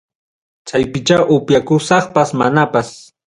Chaypicha upiakusaqpas manapas.